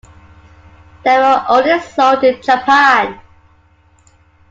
They were only sold in Japan.